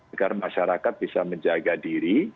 agar masyarakat bisa menjaga diri